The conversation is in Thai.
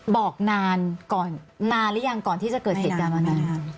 บอกนานหรือยังก่อนที่จะเกิดติดกันมานาน